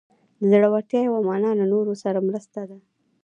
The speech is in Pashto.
د زړورتیا یوه معنی له نورو سره مرسته ده.